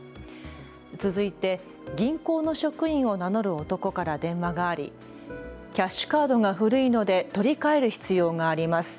続いて銀行の職員を名乗る男から電話がありキャッシュカードが古いので取り替える必要があります。